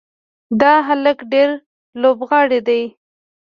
دا هلک ډېر لوبغاړی دی.